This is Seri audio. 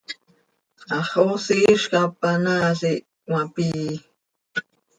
Hax hoosi hizcap panaal ih cömapii.